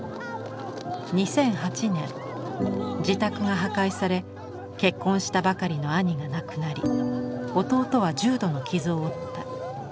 ２００８年自宅が破壊され結婚したばかりの兄が亡くなり弟は重度の傷を負った。